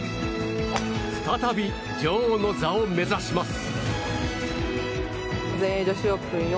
再び、女王の座を目指します。